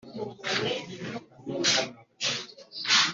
bugufi imbere y uwiteka ugashishimura imyambaro